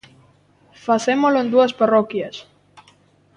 Facémolo en dúas parroquias.